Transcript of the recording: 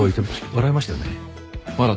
笑いましたよね？